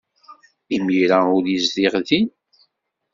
Imir-a ur yezdiɣ din.